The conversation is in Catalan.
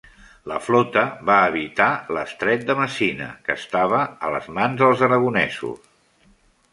La flota va evitar l'estret de Messina, que estava a les mans dels aragonesos.